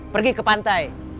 pergi ke pantai